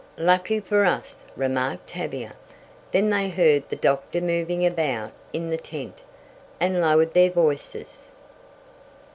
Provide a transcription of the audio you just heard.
"Lucky for us," remarked Tavia. Then they heard the doctor moving about in the tent, and lowered their voices.